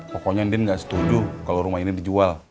pokoknya din nggak setuju kalau rumah ini dijual